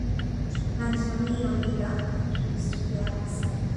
na jamii ya mila ya kihistoria Hasa